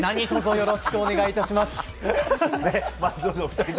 よろしくお願いします。